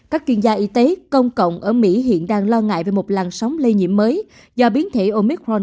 các chuyên gia y tế công cộng ở mỹ hiện đang lo ngại về một làn sóng lây nhiễm mới do biến thể omicron